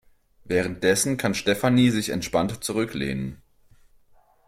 Währenddessen kann Stefanie sich entspannt zurücklehnen.